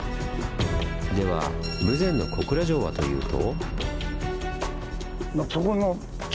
では豊前の小倉城はというと。